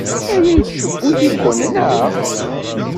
Aya yettcewwil-iken, naɣ?